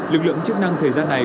lực lượng chức năng thời gian này